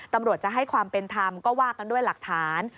ตำรวจจะให้ความเป็นธรรมก็ว่ากันด้วยหลักฐาน